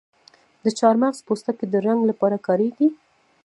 د چارمغز پوستکی د رنګ لپاره کاریږي؟